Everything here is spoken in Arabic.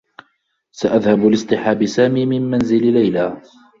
سأذهب لاصطحاب سامي من منزل ليلى.